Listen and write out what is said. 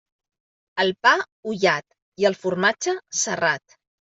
El pa, ullat, i el formatge, serrat.